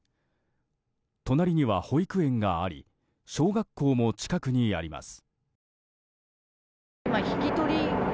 隣には保育園があり小学校も近くにあります。